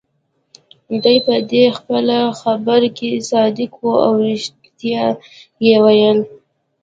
دی په دې خپله خبره کې صادق وو، او ريښتیا يې ویل.